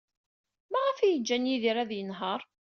Maɣef ay ǧǧan Yidir ad yenheṛ?